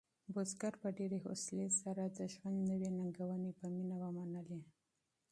بزګر په ډېرې حوصلې سره د ژوند نوې ننګونې په مینه ومنلې.